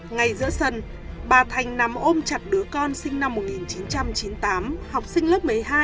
ngay giữa sân bà thành nằm ôm chặt đứa con sinh năm một nghìn chín trăm chín mươi tám học sinh lớp một mươi hai